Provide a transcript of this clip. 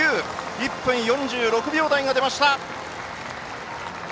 １分４６秒台が出ました。